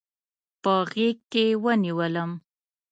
په غیږکې ونیولم